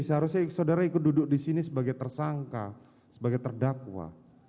seharusnya saudara ikut duduk di sini sebagai tersangka sebagai terdakwa